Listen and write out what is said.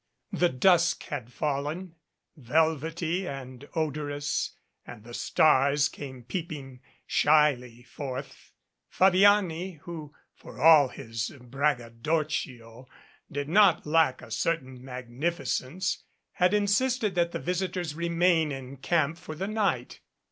The dusk had fallen, velvety and odorous, and the stars came peeping shyly forth. Fabiani, who for all his braggadocio did not lack a certain magnificence, had in sisted that the visitors remain in camp for the night.